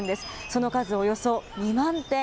その数およそ２万点。